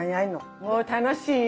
もう楽しいよ。